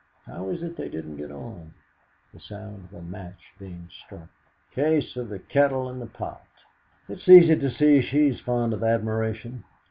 "How was it they didn't get on?" The sound of a match being struck. "Case of the kettle and the pot." "It's easy to see she's fond of admiration.